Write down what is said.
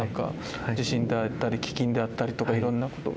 地震であったり飢きんであったりとかいろんなことがあって。